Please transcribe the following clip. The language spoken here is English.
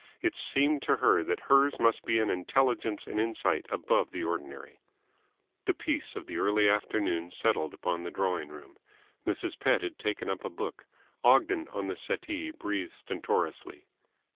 It seemed to her that hers must be an intelligence and insight above the ordinary. The peace of the early afternoon settled upon the drawing room. Mrs. Pett had taken up a book; Ogden, on the settee, breathed stentorously.